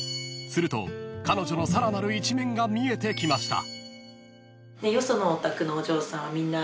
［すると彼女のさらなる一面が見えてきました］